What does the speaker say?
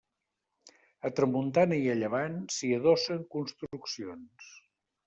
A tramuntana i a llevant s'hi adossen construccions.